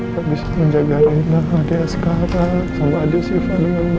pak gak bisa menjaga rina dede askara sama adik siva dengan baik